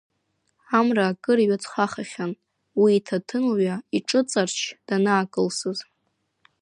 Амра акыр иҩыҵхахахьан, уи иҭаҭын лҩа иҿыҵарч данаакылсыз.